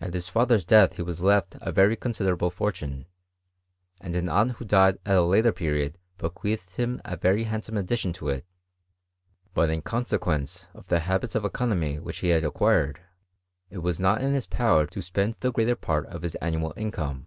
At his te ther's death he was lefl a very considerable fortune; and an aunt who died at a later period bequeathed liimavery handsome addition to it; but, in consequence of the habits of economy which he had acquired, it was not in his power to spend the greater part of his annual income.